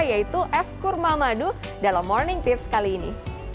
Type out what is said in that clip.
yaitu es kurma madu dalam morning tips kali ini